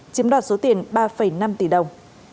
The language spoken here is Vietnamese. chiếm đoạt số tiền ba năm tỷ đồng